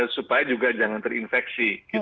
supaya juga jangan terinfeksi